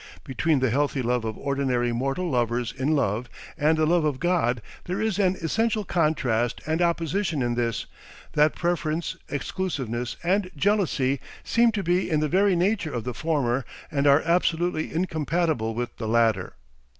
Between the healthy love of ordinary mortal lovers in love and the love of God, there is an essential contrast and opposition in this, that preference, exclusiveness, and jealousy seem to be in the very nature of the former and are absolutely incompatible with the latter.